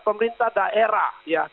pemerintah daerah ya